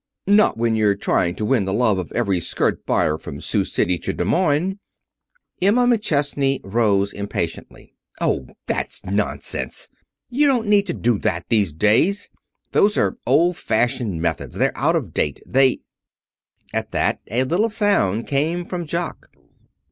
"Not when you're trying to win the love of every skirt buyer from Sioux City to Des Moines." Emma McChesney rose impatiently. "Oh, that's nonsense! You don't need to do that these days. Those are old fashioned methods. They're out of date. They " At that a little sound came from Jock.